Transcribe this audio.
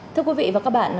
thưa quý vị và các bạn